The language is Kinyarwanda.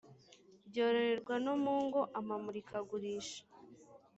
byororerwa no mu ngo amamurikagurisha